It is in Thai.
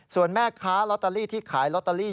ส่วนแม่ค้าลอตเตอรี่ที่ขายลอตเตอรี่